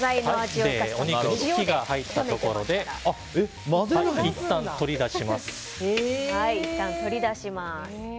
火を止めたところでいったん取り出します。